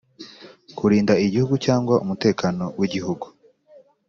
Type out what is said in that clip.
kurinda igihugu cyangwa umutekano w’igihugu